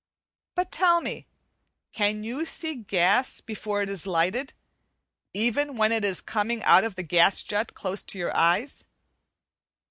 But tell me, can you see gas before it is lighted, even when it is coming out of the gas jet close to your eyes?